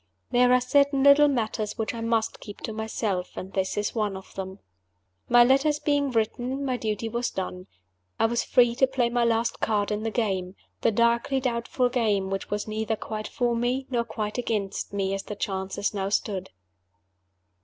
There are certain little matters which I must keep to myself; and this is one of them. My letters being written, my duty was done. I was free to play my last card in the game the darkly doubtful game which was neither quite for me nor quite against me as the chances now stood.